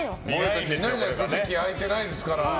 席空いてないですから。